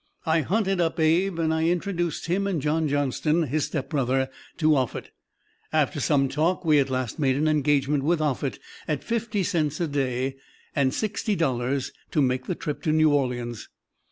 I hunted up Abe, and I introduced him and John Johnston, his stepbrother, to Offutt. After some talk we at last made an engagement with Offutt at fifty cents a day and sixty dollars to make the trip to New Orleans.